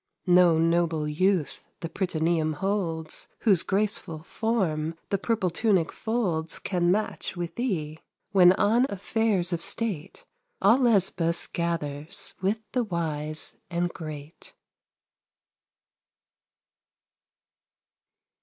No noble youth the prytaneum holds, Whose graceful form the purple tunic folds Can match with thee, when on affairs of state All Lesbos gathers with the wise and great.